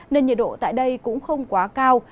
nên nhiệt độ tại đây cũng không quá cao